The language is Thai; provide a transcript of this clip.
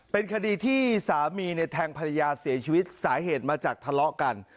เป็นคดีที่สามีเนี่ยแทงภรรยาเสียชีวิตสาเหตุมาจากทะเลาะกัน